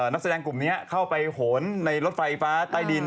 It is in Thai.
นักแสดงกลุ่มนี้เข้าไปโหนในรถไฟฟ้าใต้ดิน